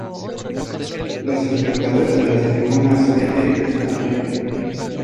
Los espectadores de las tribunas B y D están al aire libre.